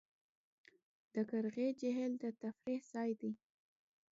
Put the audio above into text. د قرغې جهیل د تفریح ځای دی